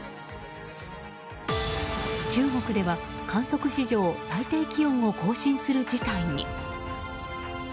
中国では観測史上最低気温を更新する事態に。